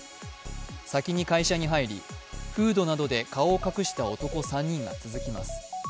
先に会社に入り、フードなどで顔を隠した男３人が続きます。